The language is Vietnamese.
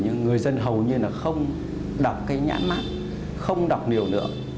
nhưng người dân hầu như là không đọc cái nhãn mát không đọc nhiều nữa